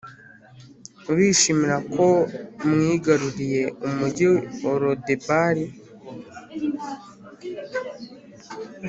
urishimira ko mwigaruriye umugi wa lodebari